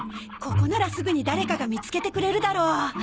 ここならすぐに誰かが見つけてくれるだろう。